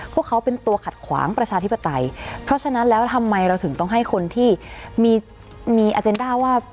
พวกเขาเป็นตัวขัดขวางประชาธิปไตยเพราะฉะนั้นแล้วทำไมเราถึงต้องให้คนที่มีอาเจนด้าว่า